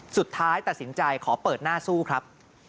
สุดท้ายตัดสินใจขอเปิดหน้าสู้ครับ